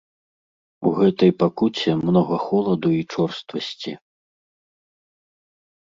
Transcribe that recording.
У гэтай пакуце многа холаду і чорствасці.